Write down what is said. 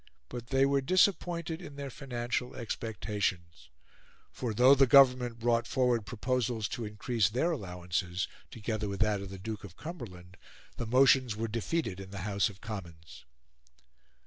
But they were disappointed in their financial expectations; for though the Government brought forward proposals to increase their allowances, together with that of the Duke of Cumberland, the motions were defeated in the House of Commons.